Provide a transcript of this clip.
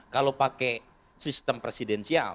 kalau pakai sistem presidensial